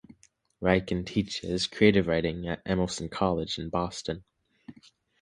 Reiken teaches creative writing at Emerson College in Boston.